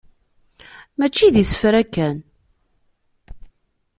Mačči d isefra kan.